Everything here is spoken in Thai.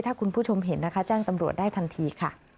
ถ้าคุณผู้ชมเห็นแจ้งตำรวจได้ทันที